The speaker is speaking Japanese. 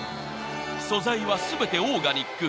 ［素材は全てオーガニック］